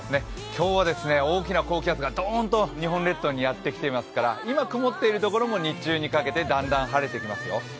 今日は大きな高気圧がドーンと日本列島にやってきてますから今、曇っているところも日中にかけてだんだん晴れてきますよ。